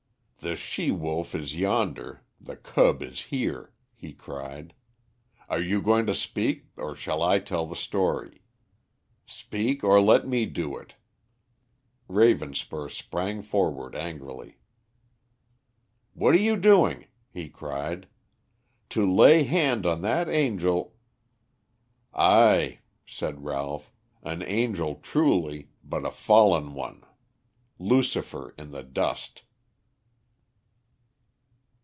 "The she wolf is yonder, the cub is here," he cried. "Are you going to speak or shall I tell the story? Speak, or let me do so." Ravenspur sprang forward angrily. "What are you doing?" he cried. "To lay hand on that angel " "Ay," said Ralph, "an angel truly, but a fallen one Lucifer in the dust."